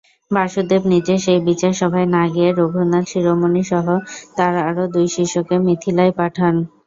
বাসুদেব নিজে সেই বিচার সভায় না গিয়ে রঘুনাথ শিরোমণি সহ তাঁর আরও দুই শিষ্যকে মিথিলায় পাঠান।